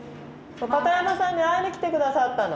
片山さんに会いに来て下さったの。